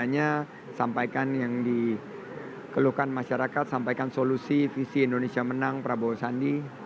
makanya sampaikan yang dikeluhkan masyarakat sampaikan solusi visi indonesia menang prabowo sandi